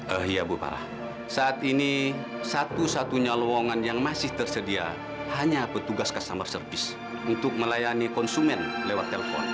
oh iya bu farah saat ini satu satunya lowongan yang masih tersedia hanya petugas customer service untuk melayani konsumen lewat telepon